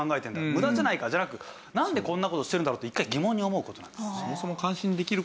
無駄じゃないかじゃなくなんでこんな事してるんだろうって一回疑問に思う事なんですね。